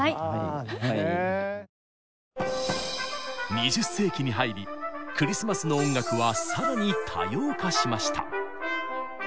２０世紀に入りクリスマスの音楽は更に多様化しました。